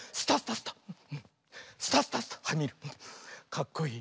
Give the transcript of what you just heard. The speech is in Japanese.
かっこいい。